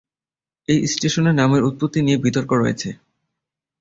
এই স্টেশনের নামের উৎপত্তি নিয়ে বিতর্ক রয়েছে।